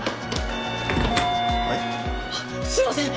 あっすいません！